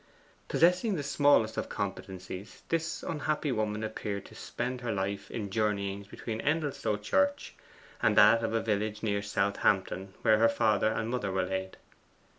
Possessing the smallest of competencies, this unhappy woman appeared to spend her life in journeyings between Endelstow Churchyard and that of a village near Southampton, where her father and mother were laid.